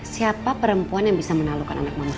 siapa perempuan yang bisa menalukan anak mama